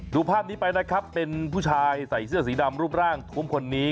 ดูภาพนี้ไปนะครับเป็นผู้ชายใส่เสื้อสีดำรูปร่างทุ้มคนนี้